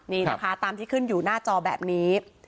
นี่นะคะตามที่ขึ้นอยู่หน้าจอแบบนี้